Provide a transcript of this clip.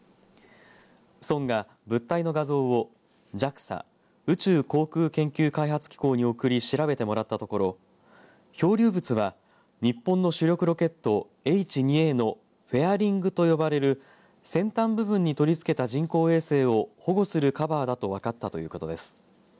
村が物体の画像をＪＡＸＡ宇宙航空研究開発機構に送り調べてもらったところ漂流物は日本の主力ロケット、Ｈ２Ａのフェアリングと呼ばれる先端部分に取り付けた人工衛星を保護するカバーだと分かったということです。